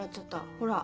ほら。